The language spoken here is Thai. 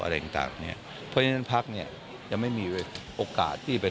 อะไรต่างต่างเนี้ยเพราะฉะนั้นพักเนี่ยยังไม่มีโอกาสที่ไป